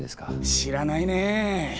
知らないね。